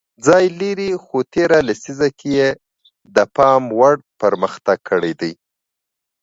ځای لري خو تېره لیسزه کې یې د پام وړ مخکې تګ کړی دی